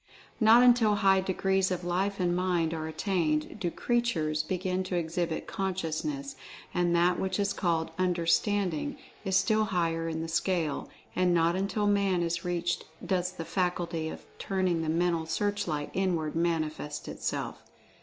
Not until very high degrees of Life and Mind are attained, do "creatures" begin to exhibit Consciousness, and that which is called "Understanding" is still higher in the scale, and not until Man is reached does the faculty of turning the mental searchlight inward manifest itself.